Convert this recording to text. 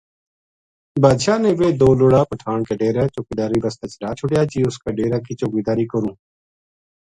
بادشاہ نے ویہ دو لُڑا پٹھان کے ڈیرے چوکیداری بسطے چلا چھوڈیا جی اُس کا ڈیرا کی چوکیداری کروں